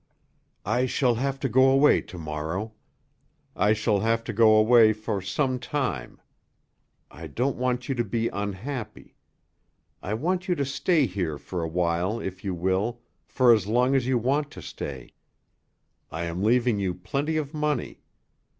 "I shall have to go away to morrow. I shall have to go away for some time. I don't want you to be unhappy. I want you to stay here for a while if you will, for as long as you want to stay. I am leaving you plenty of money.